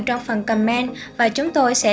trong phần comment và chúng tôi sẽ